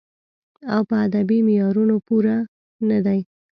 او پۀ ادبې معيارونو پوره نۀ دی